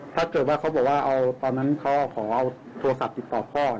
ถ้าเกิดว่าเขาบอกว่าเอาตอนนั้นเขาขอเอาโทรศัพท์ติดต่อพ่อ